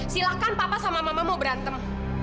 silakan papa sama mama mau berantem